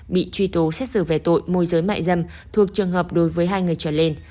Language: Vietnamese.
bị truy tố xét xử về tội môi giới mại dâm thuộc trường hợp đối với hai người trở lên